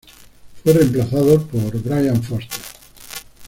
Fue reemplazo por Brian Foster.